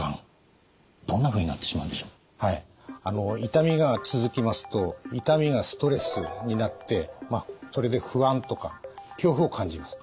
痛みが続きますと痛みがストレスになってそれで不安とか恐怖を感じます。